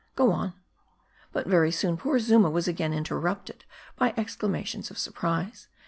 Go on." But very soon, poor Zuma was again interrupted by ex clamations of surprise.